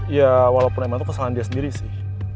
ya walaupun emang itu kesalahan dia sendiri sih